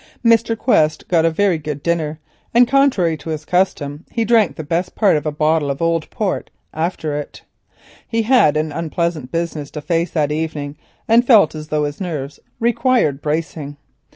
Mr. Quest had a very good dinner, and contrary to his custom drank the best part of a bottle of old port after it. He had an unpleasant business to face that evening, and felt as though his nerves required bracing.